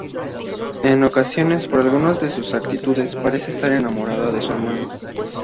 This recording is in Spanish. En ocasiones por algunas de sus actitudes parece estar enamorada de su hermano.